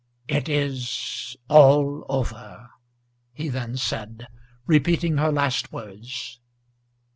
"It is all over," he then said, repeating her last words.